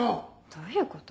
どういうこと？